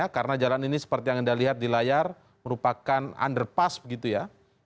karena jalan ini seperti yang anda lihat di layar merupakan underpass begitu ya